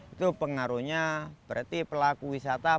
itu pengaruhnya berarti pelaku wisata